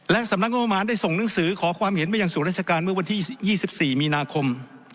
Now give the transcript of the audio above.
และสำนักงบประมาณได้ส่งหนังสือขอความเห็นไปยังศูนย์ราชการเมื่อวันที่๒๔มีนาคม